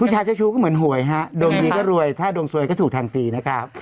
เจ้าชู้ก็เหมือนหวยฮะดวงดีก็รวยถ้าดวงสวยก็ถูกทางฟรีนะครับ